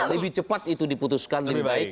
lebih cepat itu diputuskan lebih baik